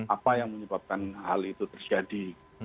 apa yang menyebabkan hal itu terjadi